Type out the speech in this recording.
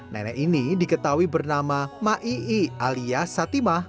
nenek ini diketahui bernama ma'i'i alias satimah